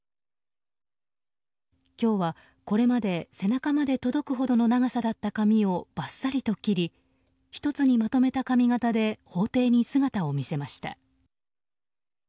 今日はこれまで背中まで届くほどの長さだった髪をバッサリと切り１つにまとめた髪形で法廷に姿を見せました。